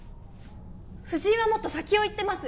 藤井はもっと先をいってます